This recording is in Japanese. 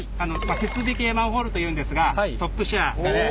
設備系マンホールというんですがトップシェアですかね。